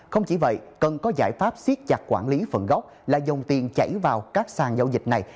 không chỉ vậy cần có giải pháp siết chặt quản lý phần gốc là dòng tiền chảy vào các sàn giao dịch này